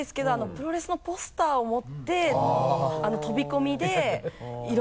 プロレスのポスターを持って飛び込みでいろんな。